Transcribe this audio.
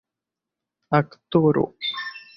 aktoro